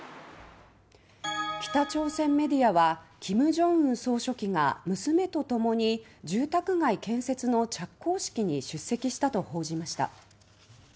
北朝鮮メディアは金正恩総書記が娘とともに住宅街建設の着工式に出席したと報じました。